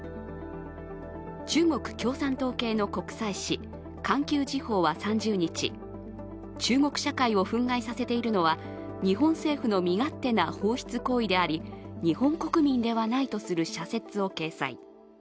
中国共産党系の国際紙「環球時報」は３０日中国社会を憤慨させているのは日本政府の身勝手な放出行為であり日本国民ではないとする社説を掲載。